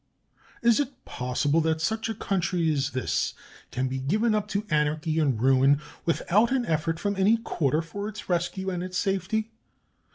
Is it possible that such a country as this can be given up to anarchy and ruin without an effort from any quarter for its rescue and its safety?